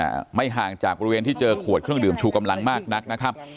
อ่าไม่ห่างจากบริเวณที่เจอขวดเครื่องดื่มชูกำลังมากนักนะครับ